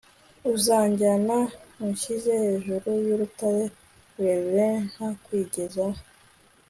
uzanjyana unshyire hejuru y'urutare rurerure ntakwigezaho